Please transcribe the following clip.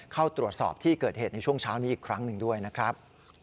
เข้าตรวจสอบที่เกิดเหตุในช่วงเช้านี้อีกครั้งหนึ่งด้วยนะครับ